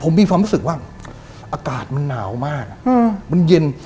ผมมีความรู้สึกว่าอากาศมันหนาวมากมันเย็น